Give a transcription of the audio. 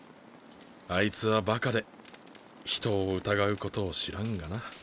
あいつはバカで人を疑うことを知らんがな。